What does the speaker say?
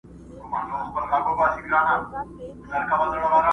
د تسو لاسو بدنامۍ خبره ورانه سوله ،